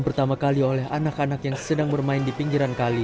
pertama kali oleh anak anak yang sedang bermain di pinggiran kali